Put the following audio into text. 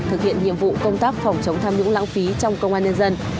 thực hiện nhiệm vụ công tác phòng chống tham nhũng lãng phí trong công an nhân dân